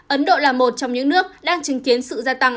ấn độ là một trong những nước đang chứng kiến sự gia tăng